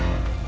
kamu di sini